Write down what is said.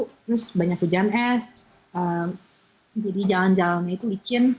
terus banyak hujan es jadi jalan jalannya itu licin